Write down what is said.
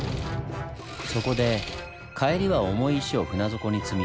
そこで帰りは重い石を船底に積み